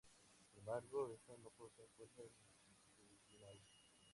Sin embargo, estas no poseen fuerza longitudinal.